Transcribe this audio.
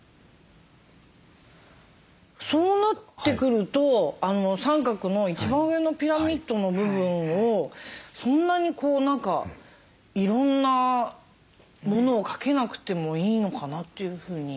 そうなってくると三角の一番上のピラミッドの部分をそんなにいろんなものをかけなくてもいいのかなというふうに思いました。